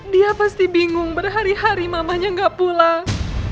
dia pasti bingung berhari hari mamanya nggak pulang